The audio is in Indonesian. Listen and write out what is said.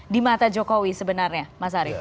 di mata jokowi sebenarnya mas ari